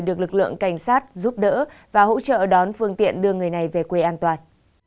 được lực lượng cảnh sát giúp đỡ và hỗ trợ đón phương tiện đưa người này về quê an toàn